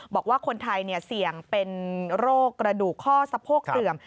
บอกว่าคนไทยเสี่ยงเป็นโรคกระดูกข้อสะโพกเสื่อม